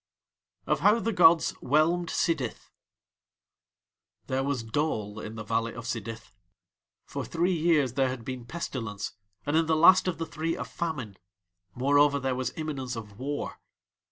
OF HOW THE GODS WHELMED SIDITH There was dole in the valley of Sidith. For three years there had been pestilence, and in the last of the three a famine; moreover, there was imminence of war.